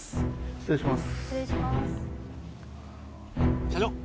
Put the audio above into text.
失礼します